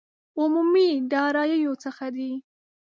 عمومي داراییو څخه دي.